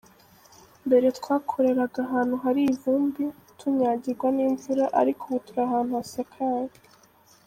Mbere twakoreraga ahantu hari ivumbi, tunyagirwa n’imvura ariko ubu turi ahantu hasakaye.